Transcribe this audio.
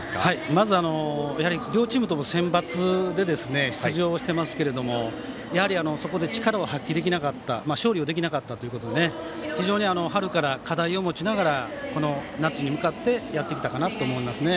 まず、両チームともセンバツで出場していますがそこで力を発揮できなかった勝利できなかったということで非常に春から課題を持ちながら夏へ向かってやってきたかなと思いますね。